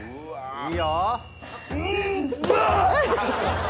いいよ！